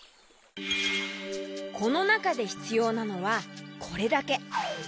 このなかでひつようなのはこれだけ。